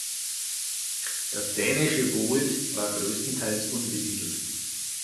Der Dänische Wohld war größtenteils unbesiedelt.